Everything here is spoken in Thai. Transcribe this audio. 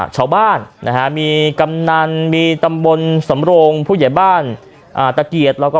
ชาวบ้านนะฮะมีกำนันมีตำบลสำโรงผู้ใหญ่บ้านตะเกียดแล้วก็